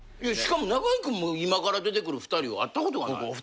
しかも中居君も今から出てくる２人は会ったことがない。